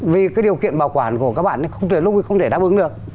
vì cái điều kiện bảo quản của các bạn lúc này không thể đáp ứng được